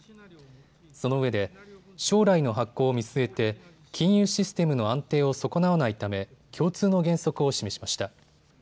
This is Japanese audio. そのうえで将来の発行を見据えて金融システムの安定を損なわないため、共通の原則を示しました。